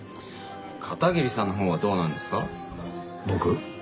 片桐さんのほうはどうなんですか？